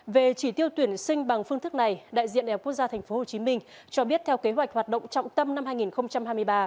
về chỉ tiêu tuyển sinh bằng phương thức này đại diện đại học quốc gia thành phố hồ chí minh cho biết theo kế hoạch hoạt động trọng tâm năm hai nghìn hai mươi ba